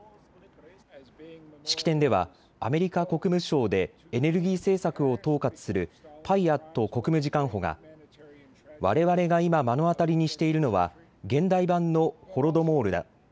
式典ではアメリカ国務省でエネルギー政策を統括するパイアット国務次官補がわれわれが今、目の当たりにしているのは現代版のホロドモールだ。